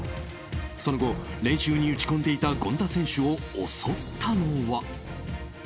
その後、練習に打ち込んでいた権田選手を襲ったのは。